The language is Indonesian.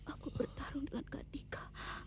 aku bertarung dengan kak dika